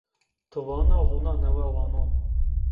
Tı vana hona newe wanon.